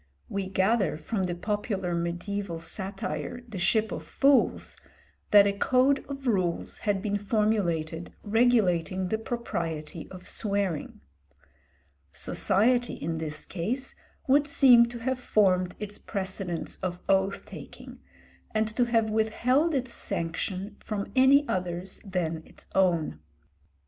We gather from the popular mediæval satire, the 'Ship of Fools,' that a code of rules had been formulated regulating the propriety of swearing. Society in this case would seem to have formed its precedents of oath taking, and to have withheld its sanction from any others than its own.